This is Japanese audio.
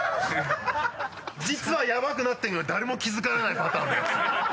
実はヤバくなってるけど誰も気づかないパターンのやつ。